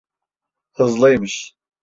Hızlıymış.